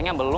ini buat lo